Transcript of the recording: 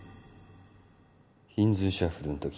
ヒンズーシャッフルのとき